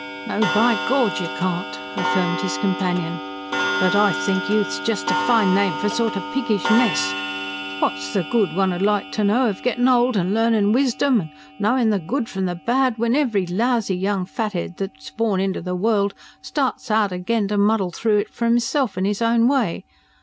"No, by Gawd, you can't!" affirmed his companion. "But I think youth's just a fine name for a sort o' piggish mess What's the good, one 'ud like to know, of gettin' old, and learnin' wisdom, and knowin' the good from the bad, when ev'ry lousy young fathead that's born inter the world starts out again to muddle through it for 'imself, in 'is own way.